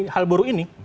hal buruk ini